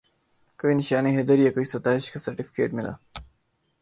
کوئی نشان حیدر یا کوئی ستائش کا سرٹیفکیٹ ملا